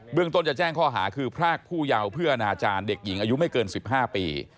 เรื่องต้นจะแจ้งข้อหาคือพรากผู้เยาว์เพื่ออนาจารย์เด็กหญิงอายุไม่เกิน๑๕ปี